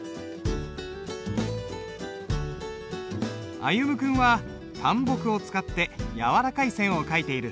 歩夢君は淡墨を使って柔らかい線を書いている。